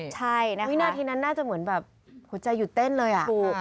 ใช่วินาทีนั้นน่าจะเหมือนแบบหัวใจหยุดเต้นเลยอ่ะถูก